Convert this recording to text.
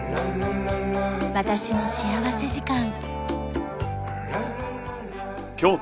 『私の幸福時間』。